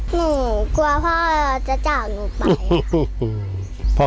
หนูกลัวพ่อจะจ่ายหนูไปค่ะ